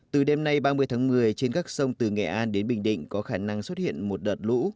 từ đêm nay ba mươi tháng một mươi trên các sông từ nghệ an đến bình định có khả năng xuất hiện một đợt lũ